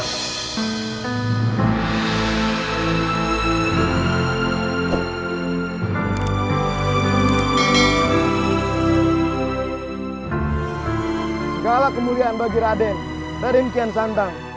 segala kemuliaan bagi raden raden kian santan